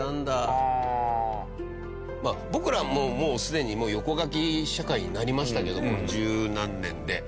僕らはもうすでに横書き社会になりましたけどこの十何年で。